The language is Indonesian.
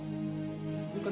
tidak pak man